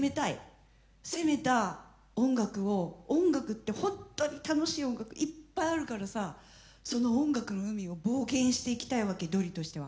攻めた音楽を音楽って本当に楽しい音楽いっぱいあるからさその音楽の海を冒険していきたいわけドリとしては。